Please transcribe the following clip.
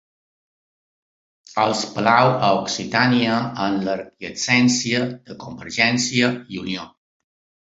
Els peleu a Occitània amb l'aquiescència de Convergència i Unió.